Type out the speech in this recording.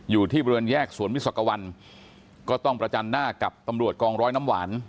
อยู่ที่บริเวณแยกสวนมิสักวันก็ต้องประจันหน้ากับตำรวจกองร้อยน้ำหวาน